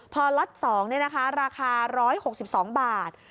พอล็อต๒ราคา๑๖๒บาท